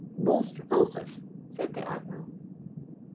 "Most repulsive!" said the Admiral.